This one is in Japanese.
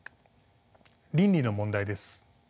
倫理の問題です。